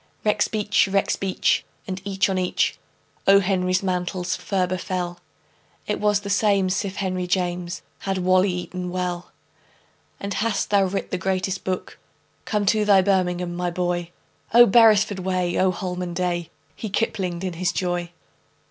Rexbeach! rexbeach! and each on each O. Henry's mantles ferber fell. It was the same'sif henryjames Had wally eaton well. "And hast thou writ the greatest book? Come to thy birmingham, my boy! Oh, beresford way! Oh, holman day!" He kiplinged in his joy.